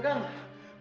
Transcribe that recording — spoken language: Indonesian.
ada apa pak